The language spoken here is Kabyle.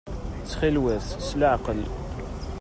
Ttxil-wet s leɛqel.